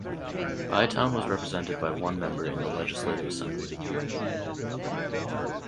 Bytown was represented by one member in the Legislative Assembly.